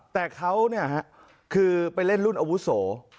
แต่เขาเนี่ยฮะคือไปเล่นรุ่นอาวุโส